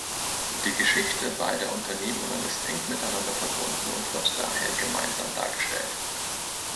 Die Geschichte beider Unternehmungen ist eng miteinander verbunden und wird daher gemeinsam dargestellt.